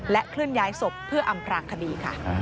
และคลื่นย้ายศพเพื่ออำพลานะคดี